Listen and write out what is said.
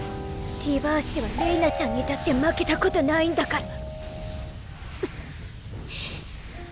リバーシはれいなちゃんにだって負けたことないんだから。